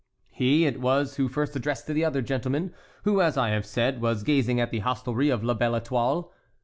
He it was who first addressed the other gentleman who, as I have said, was gazing at the hostelry of La Belle Étoile.